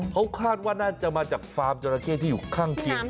เขาคาดว่าน่าจะมาจากฟาร์มจราเข้ที่อยู่ข้างเคียง